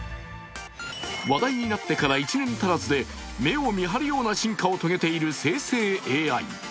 話題になってから１年足らずで目を見張るような進化を遂げている生成ＡＩ。